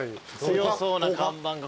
強そうな看板が。